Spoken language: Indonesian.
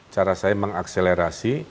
cara saya mengakselerasi